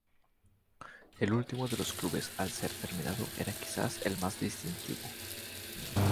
El último de los clubes a ser terminado era quizás el más distintivo.